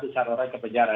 di sarawak ke penjara